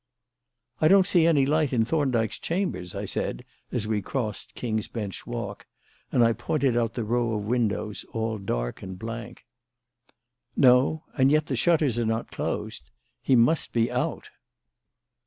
"I don't see any light in Thorndyke's chambers," I said, as we crossed King's Bench Walk; and I pointed out the row of windows all dark and blank. "No: and yet the shutters are not closed. He must be out."